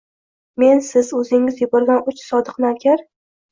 Men, Siz, O’zingiz yuborgan uch sodiq navkar